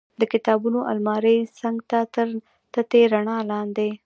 د کتابونو المارۍ څنګ ته تر تتې رڼا لاندې.